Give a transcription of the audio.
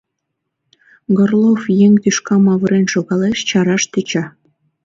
Горлов еҥ тӱшкам авырен шогалеш, чараш тӧча: